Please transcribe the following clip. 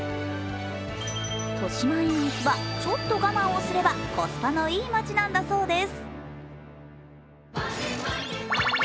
豊島園駅はちょっと我慢をすればコスパのいい街なんだそうです。